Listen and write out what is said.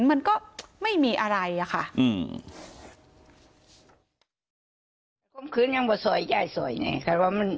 มันก็ไม่มีอะไรอะค่ะ